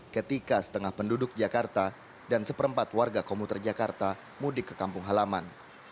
ketika setengah penduduk jakarta dan seperempat warga komuter jakarta mudik ke kampung halaman